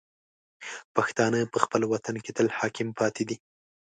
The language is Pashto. پښتانه په خپل وطن کې تل حاکم پاتې دي.